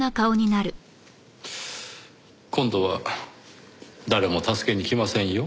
今度は誰も助けに来ませんよ。